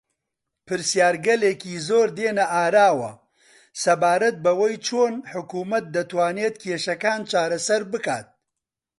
پرسیارگەلێکی زۆر دێنە ئاراوە سەبارەت بەوەی چۆن حکوومەت دەتوانێت کێشەکان چارەسەر بکات